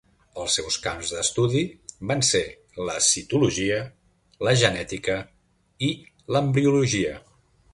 Els seus camps d'estudi van ser la citologia, la genètica i l'embriologia.